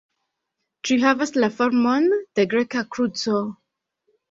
Ĝi havas la formon de Greka kruco.